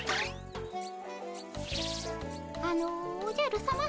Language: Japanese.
あのおじゃるさま。